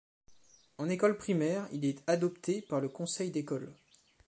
En école primaire, il est adopté par le Conseil d'École.